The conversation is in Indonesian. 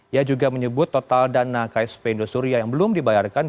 ia juga menyebut total dana ksp indosuria yang belum dibayarkan